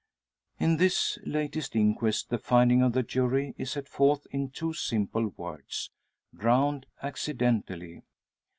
In this latest inquest the finding of the jury is set forth in two simple words, "Drowned accidentally."